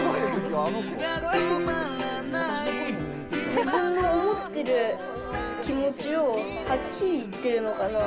自分の思ってる気持ちをはっきり言ってるのかな。